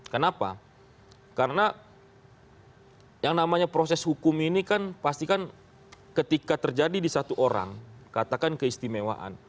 kenapa karena yang namanya proses hukum ini kan pastikan ketika terjadi di satu orang katakan keistimewaan